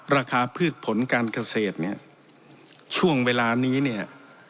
พืชผลการเกษตรเนี่ยช่วงเวลานี้เนี่ย